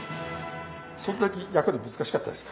そんなに焼くの難しかったですか？